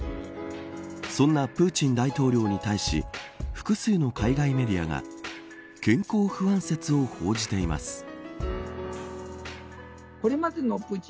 そんなプーチン大統領に対し複数の海外メディアが健康不安説を報じています。